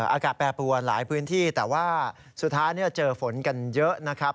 อากาศแปรปรวนหลายพื้นที่แต่ว่าสุดท้ายเจอฝนกันเยอะนะครับ